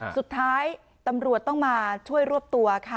สุดท้ายตำรวจต้องมาช่วยรวบตัวค่ะ